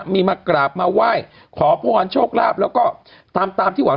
มีมากราบมาไหว้ขอพรโชคลาภแล้วก็ตามตามที่หวัง